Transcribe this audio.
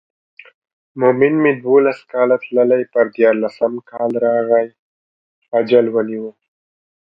مومن مې دولس کاله تللی پر دیارلسم کال راغی اجل ونیو.